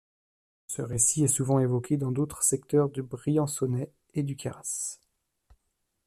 Ce récit est souvent évoqué dans d'autres secteurs du Briançonnais et du Queyras.